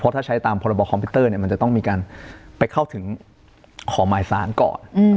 ถ้าใช้ตามพรบคอมพิวเตอร์มันจะต้องมีการไปเข้าถึงขอหมายสารก่อน